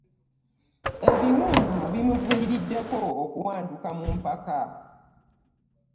Ebiwundu bimuviriddeko okuwanduka mu mpaka.